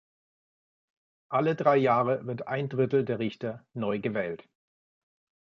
Alle drei Jahre wird ein Drittel der Richter neu gewählt.